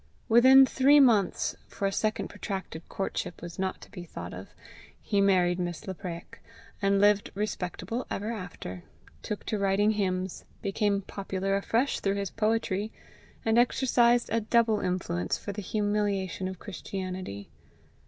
Within three months, for a second protracted courtship was not to be thought of, he married Miss Lapraik, and lived respectable ever after took to writing hymns, became popular afresh through his poetry, and exercised a double influence for the humiliation of Christianity.